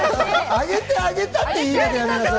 上げてあげたって言い方、やめなさいよ！